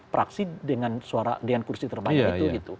praksi dengan suara dengan kursi terbaik itu